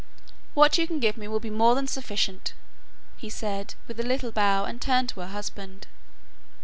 "What you can give me will be more than sufficient," he said, with a little bow, and turned to her husband.